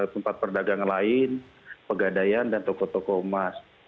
tempat perdagangan lain pegadaian dan toko toko emas